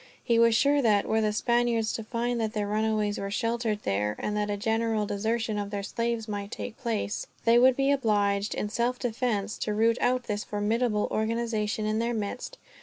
He was sure that, were the Spaniards to find that their runaways were sheltered there, and that a general desertion of their slaves might take place; they would be obliged, in self defense, to root out this formidable organization in their midst.